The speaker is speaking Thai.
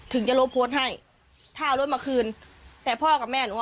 ถึงจะลบโพสต์ให้ถ้าเอารถมาคืนแต่พ่อกับแม่หนูอ่ะ